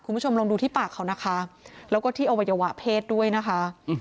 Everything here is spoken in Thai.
คุณผู้ชมลองดูที่ปากเขานะคะแล้วก็ที่อวัยวะเพศด้วยนะคะ